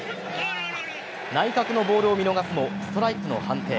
内角のボールを見逃すもストライクの判定